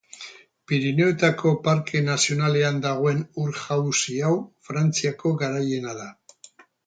Pirinioetako Parke Nazionalean dagoen ur-jauzi hau Frantziako garaiena da.